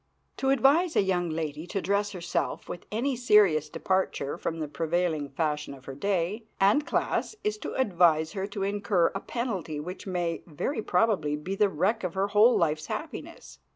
To advise a young lady to dress herself with any serious departure from the prevailing fashion of her day and class is to advise her to incur a penalty which may very probably be the wreck of her whole life's happiness.